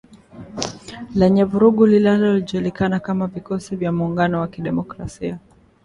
Lenye vurugu linalojulikana kama Vikosi vya Muungano wa Kidemokrasia.